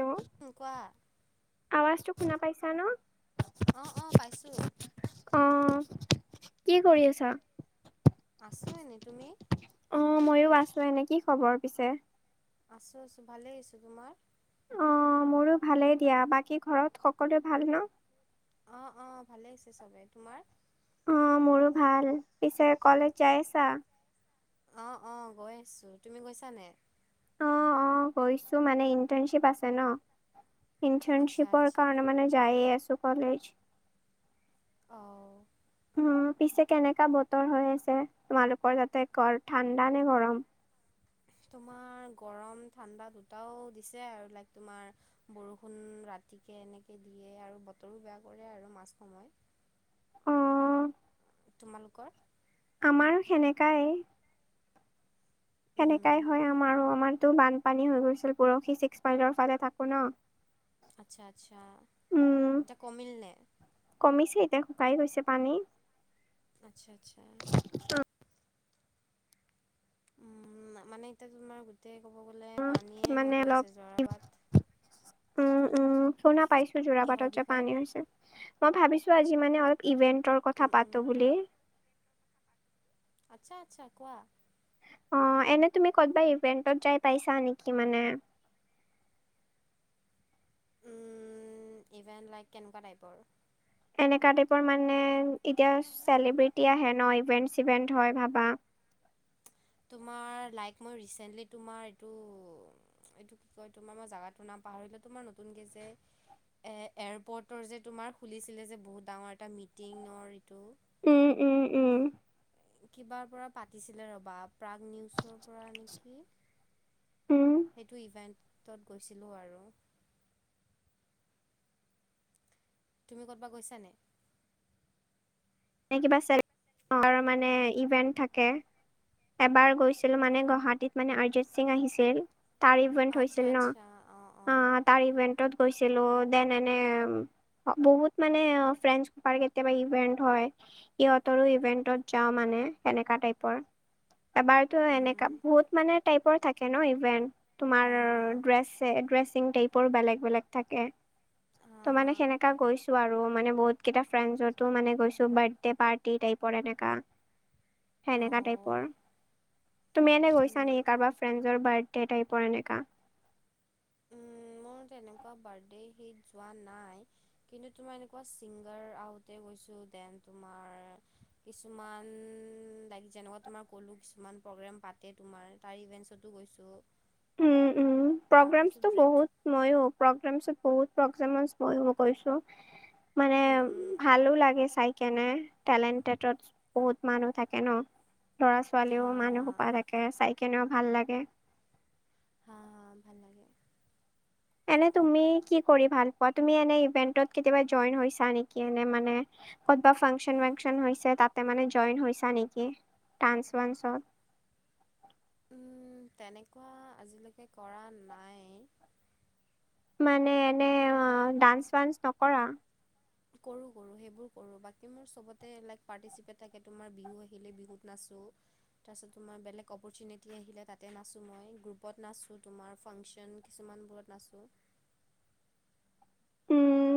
হেৱ? অ কোৱা? আৱাজটো শুনা পাইছা ন? অঁ', অঁ' পাইছোঁ। অ, কি কৰি আছা? আছো এনে তুমি? অ' মইও আছো এনে, কি খবৰ পিছে? আছোঁ আছোঁ ভালেই আছোঁ, তোমাৰ? অঁ মোৰো ভালেই দিয়া। বাকী ঘৰত সকলোৱে ভাল ন'? [unintelligible] অঁ-অঁ ভালেই আছে চবে। তোমাৰ? [inaudible] অঁ! মোৰো ভাল। পিছে কলেজ যাই আছা? [unintelligible] অঁ-অঁ! গৈ আছোঁ। তুমি গৈছানে? [unintelligible] অঁ-অঁ গৈছোঁ মানে ইণ্টাৰ্ণশ্বিপ আছে ন'। [unintelligible] আচ্ছা ইণ্টাৰ্ণশ্বিপৰ আচ্ছা কাৰণে মানে যায়েই আছো কলেজ। [inaudible] অঁ [unintelligible] উম! পিছে কেনেকা বতৰ হৈ আছে তোমালোকৰ তাতে কৰ ঠাণ্ডা নে গৰম? [unintelligible] তোমাৰ গৰম, ঠাণ্ডা দুটাও দিছে আৰু লাইক তোমাৰ [unintelligible] বৰষুণ ৰাতিকে এনেকৈ দিয়ে আৰু বতৰো বেয়া কৰে আৰু মাজ সময়। [unintelligible] অ', তোমালোকৰ? [inaudible] আমাৰো সেনেকাই। [unintelligible] সেনেকাই উম, হয় আমাৰো। আমাৰতো বানপানী হৈ গৈছিল পৰহি ছিক্স মাইলৰ ফালে থাকো ন'। [unintelligible] আচ্ছা-আচ্ছা। উম, এতিয়া কমিল নে? [inaudible] কমিছে এতিয়া শুকাই গৈছে পানী। [unintelligible] আচ্ছা-আচ্ছা। [inaudible] উম! মানে এতিয়া তোমাৰ গোটেই ক'ব গ'লে উম, পানীয়ে হৈ গৈ আছে জৰা বাট। [inaudible] উম-উম! শুনা পাইছোঁ জোৰা কিহৰ বাটত যে বিষয়ে? পানী হৈছে। [inaudible] মই ভাবিছোঁ আজি মানে অলপ ইভেন্টৰ কথা উম, উম। পাতো বুলি। [inaudible] আচ্ছা-আচ্ছা! কোৱা? [inaudible] অঁ! এনেই তুমি ক'ৰবাত ইভেন্টত যাই পাইছা নেকি মানে? [inaudible] উম! ইভেণ্ট লাইক [unintelligible] কেনেকুৱা টাইপৰ? এনেকুৱা টাইপৰ মানে এতিয়া চেলিব্ৰিটি আহে ন' ইভেণ্ট-চিভেণ্ট হয় ভাবা। [inaudible] তোমাৰ লাইক মই ৰিচেণ্টলি তোমাৰ এইটো [unintelligible] এইটো কি কয় তোমাৰ মই জেগাটো নাম পাহৰিলোঁ তোমাৰ নতুনকে যে [unintelligible] এ এয়াৰপৰ্টৰ যে তোমাৰ খুলিছিলে যে বহুত ডাঙৰ এটা মিটিঙৰ এইটো [unintelligible] উম-উম-উম! [unintelligible] কিবাৰ পৰা পাতিছিলে ৰ'বা প্ৰাগ নিউজৰ পৰা নেকি? [unintelligible] উম, সেইটো ইভেন্টত গৈছিলোঁ আৰু। [inaudible] তুমি ক'ৰবাত গৈছা নাই? [unintelligible] এনেই কিবা [unintelligible] মানে ইভেন্ট থাকে [unintelligible] এবাৰ গৈছিলো মানে গুৱাহাটীত মানে অৰিজিত সিং আহিছিল। [unintelligible] তাৰ ইভেন্ট আচ্ছা, হৈছিল ন'। আচ্ছা অ', অ'। অঁ তাৰ ইভেন্টত গৈছিলোঁ দেন এনে [unintelligible] বহুত মানে ফ্ৰেণ্ [unintelligible] কেতিয়াবা ইভেন্ট হয়। সিহঁতৰো ইভেণ্টত যাওঁ মানে তেনেকা টাইপৰ। [inaudible] এবাৰতো এনেকা উম, বহুত মানে টাইপৰ থাকে ন' ইভেন্ট। [unintelligible] হা, তোমাৰ হা, ড্ৰে [unintelligible] ড্ৰেছিং টাইপৰ বেলেগ-বেলেগ থাকে। হা, ত' হা, মানে সেনেকা গৈছোঁ আৰু মানে বহুত কেইটা ফ্ৰেণ্ডছতো মানে গৈছোঁ বাদ [unintelligible] বাৰ্ডেপাৰ্টি টাইপৰ এনেকা [inaudible] সেনেকা অ'। টাইপৰ। তুমি এনে গৈছা নেকি কাৰোবাৰ ফ্ৰেণ্ডৰ বাৰ্থডে টাইপৰ এনেকা? [unintelligible] উম! মোৰ তেনেকুৱা বাৰ্থডে হিট যোৱা নাই। [unintelligible] কিন্তু তোমাৰ এনেকুৱা ছিংগাৰ আহোঁতে গৈছোঁ। দেন তোমাৰ [unintelligible] কিছুমান লাইক যেনেকুৱা তোমাৰ ক'লো কিছুমান প্ৰগ্ৰেম পাতে তোমাৰ [unintelligible] তাৰ ইভেন্টছতো গৈছোঁ। [unintelligible] উম-উম! তাৰপাছত প্ৰগ্ৰেমছটো ড্ৰে বহুত [unintelligible] মইয়ো প্ৰগ্ৰেমছত বহুত প্ৰগ্ৰেমৰ মইয়ো স্পৰ্শ কৰিছো মানে উম উম। ভালো লাগে চাই কেনে টেলেণ্টেডত বহুত মানুহ থাকে ন। ল'ৰা ছোৱালীও হা হা মানুহসোপা থাকে চাইকেনেও ভাল লাগে। হা হা ভাল লাগে। এনে তুমি কি কৰি ভাল পোৱা তুমি এনে ইভেন্টত কেতিয়াবা জইন হৈছা নেকি এনে মানে ক'তবা ফাংচন ৱেংচন হৈছে তাতে মানে জইন হৈছা নেকি ডান্স ৱান্সত? উম তেনেকুৱা আজিলৈকে কৰা নাই মানে এনে অ ডান্স ৱান্স নকৰা? কৰোঁ কৰোঁ সেইবোৰ কৰোঁ বাকী মোৰ চবতে লাইক পাৰ্টিচিপেট থাকে তোমাৰ বিহু আহিলে বিহুত নাচোঁ। তাৰপিছত তোমাৰ বেলেগ অপৰচুনিটি আহিলে তাতে নাচোঁ মই গ্ৰুপত নাচোঁ তোমাৰ ফাংচন কিছুমান বোৰত নাচোঁ। উম।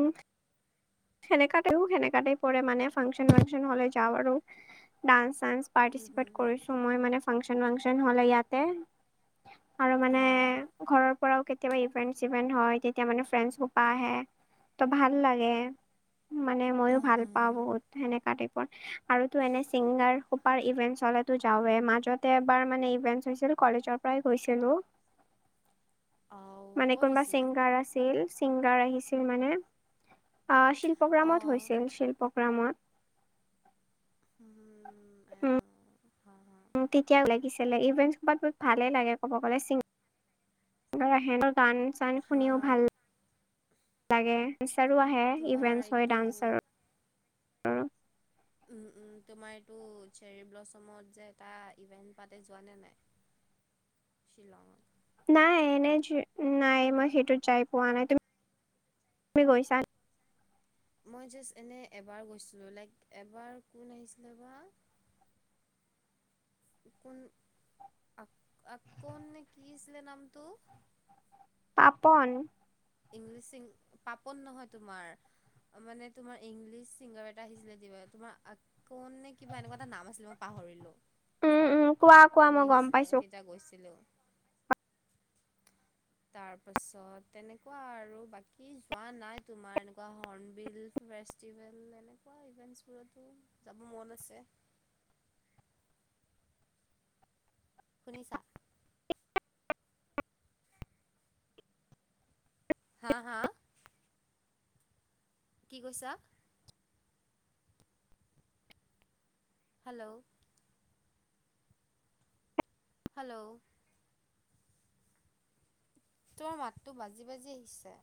সেনেকাতেও সেনেকাতে পৰে মানে ফাংচন ৱাংচন হলে যাওঁ আৰু ডান্স চান্স হুম হুম পাৰ্টিচিপেট হুম কৰিছো মই মানে ফাংচন ৱাংচন হলে ইয়াতে। আৰু মানে হা ঘৰৰ পৰাও কেতিয়াবা ইভেন্ট চিভেন্ট হয় তেতিয়া মানে ফ্ৰেণ্ডছ হোপা আহে। ত' ভাল লাগে। মানে মইও উম ভাল পাওঁ উম বহুত সেনেকা টাইপৰ আৰুতো এনে ছিংগাৰ হোপাৰ ইভেন্ট হলেটো যাওৱে মাজতে এবাৰ মানে ইভেন্ট হৈছিল কলেজৰ পৰাই গৈছিলো। ঔ কত হৈছিলে? চিংগাৰ আহিছিল মানে আহ শিল্পগ্ৰামত অঁ হৈছিল শিল্পগ্ৰামত। উম এ হা‌ হা তেতিয়াও লাগিছিলে ইভেন্টত ভালো লাগে ক'ব গ'লে তাহঁতৰ গান চান হা শুনিও ভাল লাগে বিচাৰো আহে তোমাৰ ইভেন্টচৰ এইটো ডান্সাৰ উম উম তোমাৰ এইটো চেৰী ব্লছমত যে এটা ইভেণ্ট পাতে, যোৱা নে নাই? শ্বিলংত? নাই এনে নাই মই সেইটোত যাই পোৱা নাই। তুমি গৈছা? মই জাষ্ট এনে এবাৰ গৈছিলোঁ লাইক এবাৰ কোন আহিছিলে বা কোন আ আপকন নে কি আছিলে নামটো? পাপন? ইংলিছি চিং পাপন নহয় তোমাৰ। মানে তোমাৰ ইংলিছ চিংগাৰ এটা আহিছিলে কিবা তোমাৰ কন নে কিবা এনেকুৱা এটা নাম আছিলে মই পাহৰিলো। উম উম কোৱা কোৱা সি মই গম আহিছিলে পাইছো তেতিয়া গৈছিলোঁ। তাৰ পাছত তেনে কোৱা আৰু বাকী যোৱা নাই তোমাৰ এনেকুৱা হৰ্ণ বিল ফেষ্টিভেল এনে কুৱা ইভেণ্টছবোৰতো যাব মন আছে। শুনিছা? হা হা? কি কৈছা? হেল্ল'! হেল্ল'! তোমাৰ মাতটো বাজি বাজি আহিছে।